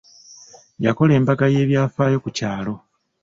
Yakola embaga y'ebyafaayo ku kyalo.